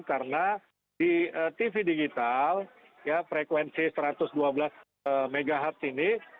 karena di tv digital ya frekuensi satu ratus dua belas mhz ini